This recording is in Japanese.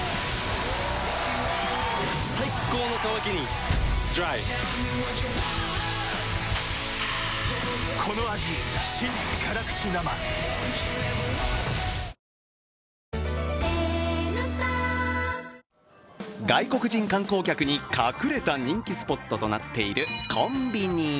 最高の渇きにＤＲＹ外国人観光客に隠れた人気スポットとなっているコンビニ。